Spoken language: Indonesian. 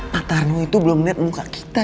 pak tarno itu belum liat muka kita